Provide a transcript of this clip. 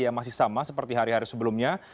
yang masih sama seperti hari hari sebelumnya